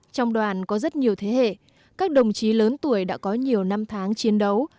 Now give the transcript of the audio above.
trong đoàn có rất nhiều thế hệ các đồng chí lớn tuổi đã có nhiều năm tháng chiến đấu